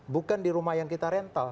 bukan di rumah yang kita rental